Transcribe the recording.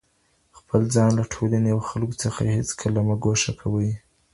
خپل ځان له ټولني او خلګو څخه هيڅکله مه ګوښه کوئ.